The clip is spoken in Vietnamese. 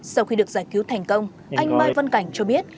sau khi được giải cứu thành công anh mai văn cảnh cho biết